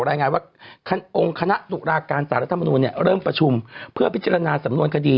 รายงานว่าองค์คณะตุลาการสารรัฐมนูลเริ่มประชุมเพื่อพิจารณาสำนวนคดี